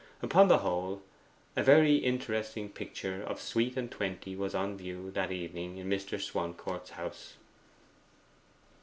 Upon the whole, a very interesting picture of Sweet and Twenty was on view that evening in Mr. Swancourt's house.